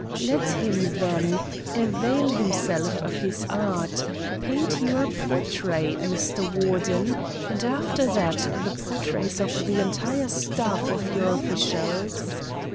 Let him, then, avail himself of his art, paint your portrait, Mr. Warden, and after that the portraits of the entire staff of your officials.